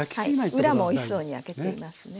裏もおいしそうに焼けていますね。